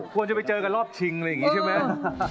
ควรจะไปเจอกันรอบชิงอะไรอย่างนี้ใช่ไหม